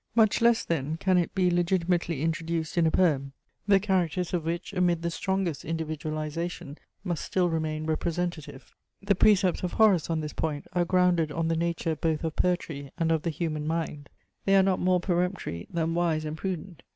Much less then can it be legitimately introduced in a poem, the characters of which, amid the strongest individualization, must still remain representative. The precepts of Horace, on this point, are grounded on the nature both of poetry and of the human mind. They are not more peremptory, than wise and prudent.